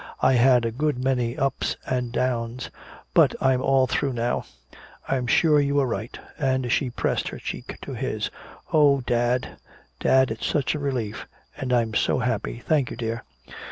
"I had a good many ups and downs. But I'm all through now I'm sure you were right." And she pressed her cheek to his. "Oh, dad, dad it's such a relief! And I'm so happy!... Thank you, dear."